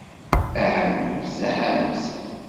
Ahamt, ahamt.